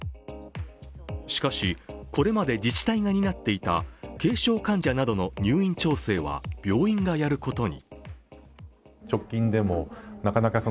しかし、これまで自治体が担っていた軽症患者などの入院調整は病院がやることに。